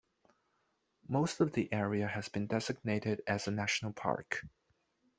Most of the area has been designated as a national park.